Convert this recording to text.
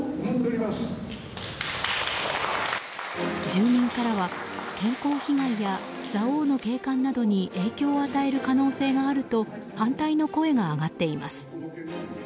住民からは健康被害や蔵王の景観などに影響を与える可能性があると反対の声が上がっています。